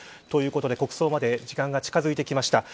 ということで、国葬まで時間が近づいてきました。